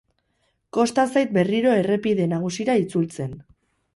Kosta zait berriro errepide nagusira itzultzen.